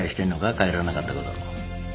帰らなかったこと。